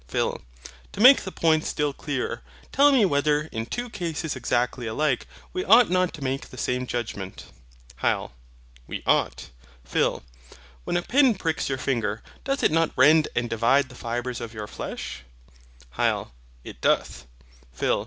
PHIL. To make the point still clearer; tell me whether, in two cases exactly alike, we ought not to make the same judgment? HYL. We ought. PHIL. When a pin pricks your finger, doth it not rend and divide the fibres of your flesh? HYL. It doth. PHIL.